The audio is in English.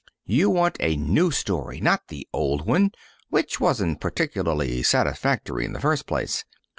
You want a new story and not the old one, which wasn't particularly satisfactory in the first place.